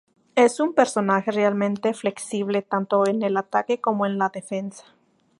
Es un personaje realmente flexible, tanto en el ataque como en la defensa.